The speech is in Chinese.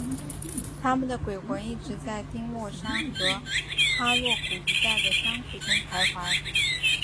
他们的鬼魂一直在丁默山和哈洛谷一带的山谷中徘徊。